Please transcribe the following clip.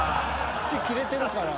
口切れてるから。